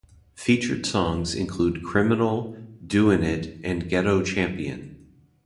Featured songs include: "Criminal", "Doin' It", and "Ghetto Champion".